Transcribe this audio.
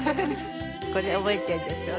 これ覚えてるでしょう？